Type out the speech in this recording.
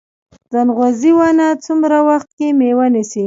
ځنغوزي ونه څومره وخت کې میوه نیسي؟